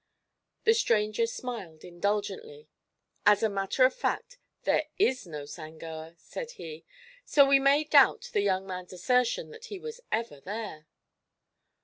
The stranger smiled indulgently. "As a matter of fact, there is no Sangoa." said he; "so we may doubt the young man's assertion that he was ever there."